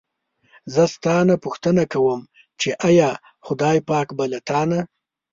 زه ستا نه پوښتنه کووم چې ایا خدای پاک به له تا نه.